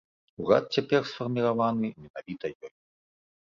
Урад цяпер сфарміраваны менавіта ёю.